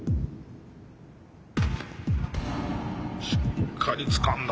しっかりつかんだ。